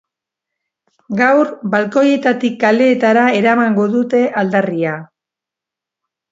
Gaur, balkoietatik kaleetara eramango dute aldarria.